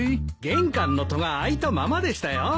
玄関の戸が開いたままでしたよ。